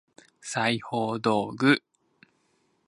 裁縫道具